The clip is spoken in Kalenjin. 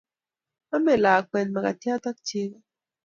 amei lakwet makatiat ak chego